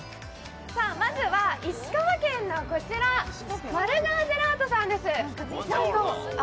まずは石川県のこちら、マルガージェラートさんです。